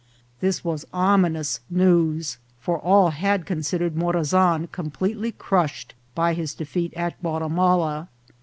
This was ominous news, for all had considered Morazan completely crushed by his defeat at Guatimala.